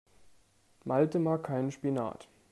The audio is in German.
Malte mag keinen Spinat.